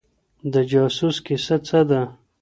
د جاسوس کيسه څه ده؟